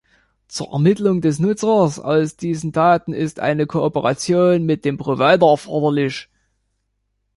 Zur Ermittlung des Nutzers aus diesen Daten ist eine Kooperation mit dem Provider erforderlich.